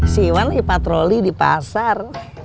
si iwan patroli di pasar